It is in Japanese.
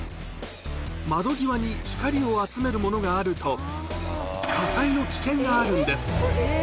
窓際に光を集めるものがあると、火災の危険があるんです。